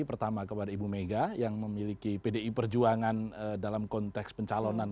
pertama kepada ibu mega yang memiliki pdi perjuangan dalam konteks pencalonan